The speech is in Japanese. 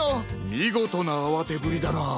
みごとなあわてぶりだな。